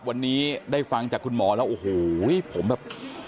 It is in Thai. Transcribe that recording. วันนี้ได้ฟังจากคุณหมอแล้วโอ้โหผมแบบ